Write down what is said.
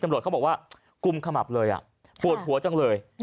จำรวจเขาบอกว่ากุมขมับเลยหูดหัวจังเลย